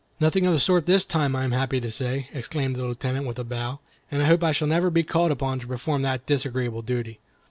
"Nothing of the sort this time, I am happy to say," exclaimed the Lieutenant, with a bow, "and I hope I shall never be called upon to perform that disagreeable duty."